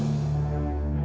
aku akan mencari tuhan